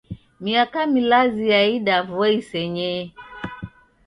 Miaka milazi yaida vua isenyee.